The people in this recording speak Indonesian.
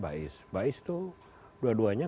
bais bais itu dua duanya